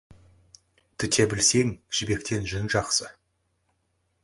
Түте білсең, жібектен жүн жақсы.